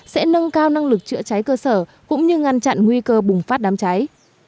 sẽ nâng cao năng lực chữa cháy cơ sở cũng như ngăn chặn nguy cơ bùng phát đám cháy